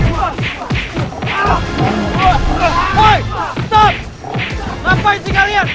lupa ada rujuk semua